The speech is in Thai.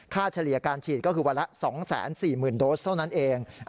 เฉลี่ยการฉีดก็คือวันละ๒๔๐๐๐โดสเท่านั้นเอง